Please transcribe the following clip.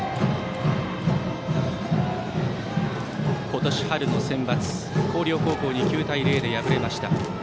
今年春のセンバツ広陵高校に９対０で敗れました。